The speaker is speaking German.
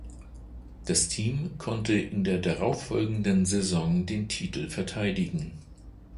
Das Team konnte in der darauffolgenden Saison den Titel verteidigen.